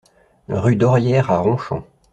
Rue d'Orière à Ronchamp